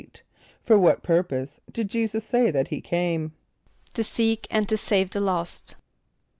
= For what purpose did J[=e]´[s+]us say that he came? =To seek and to save the lost.